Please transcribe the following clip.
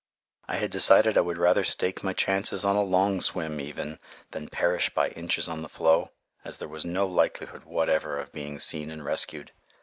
I had decided I would rather stake my chances on a long swim even than perish by inches on the floe, as there was no likelihood whatever of being seen and rescued.